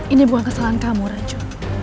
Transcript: ini bukan kesalahan kamu racu